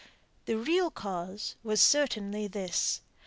The real cause was certainly this.